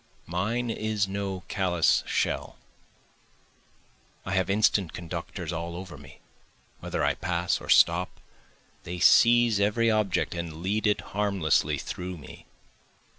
Mine is no callous shell, I have instant conductors all over me whether I pass or stop, They seize every object and lead it harmlessly through me.